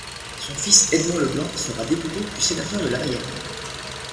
Son fils Edmond Leblanc sera député puis sénateur de la Mayenne.